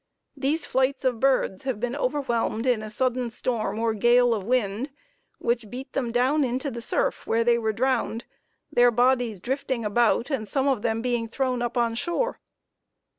These flights of birds have been overwhelmed in a sudden storm or gale of wind, which beat them down into the surf where they were drowned, their bodies drifting about, and some of them being thrown up on the shore.